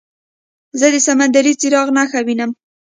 زه د سمندري څراغ نښه وینم.